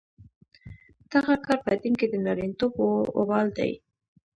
دغه کار په دین کې د نارینتوب وبال دی.